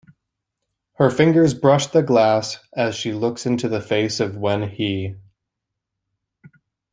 Her fingers brush the glass as she looks into the face of Wen He.